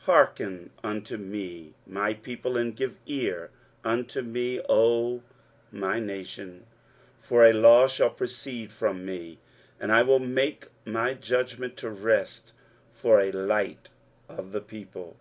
23:051:004 Hearken unto me, my people; and give ear unto me, O my nation: for a law shall proceed from me, and I will make my judgment to rest for a light of the people.